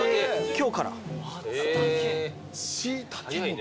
今日から？